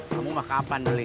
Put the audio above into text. kamu mah kapan beli